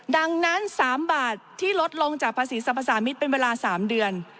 ดังนั้น๓บาทที่ลดลงจากภาษีสรรพสามิตรเป็นเวลา๓เดือน